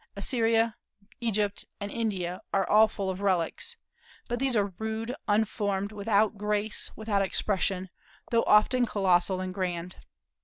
Assyria, Egypt, and India are full of relics. But these are rude, unformed, without grace, without expression, though often colossal and grand.